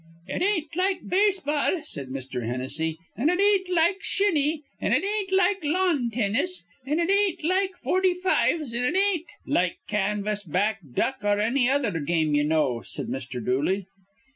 "It ain't like base ball," said Mr. Hennessy, "an' it ain't like shinny, an' it ain't like lawn teenis, an' it ain't like forty fives, an' it ain't" "Like canvas back duck or anny other game ye know," said Mr. Dooley.